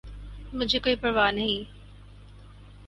!مجھے کوئ پرواہ نہیں